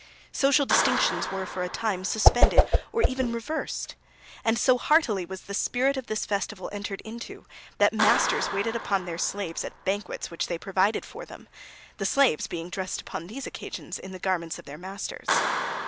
Social distinctions were for a time suspended, or even reversed; and so heartily was the spirit of this festival entered into, that masters waited upon their slaves at banquets which they provided for them; the slaves being dressed upon these occasions in the garments of their masters.